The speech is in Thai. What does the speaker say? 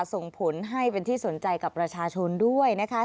ส่งผลให้เป็นที่สนใจกับประชาชนด้วยนะคะ